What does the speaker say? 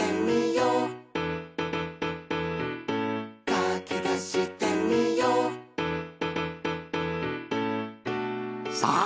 「かきたしてみよう」さあ！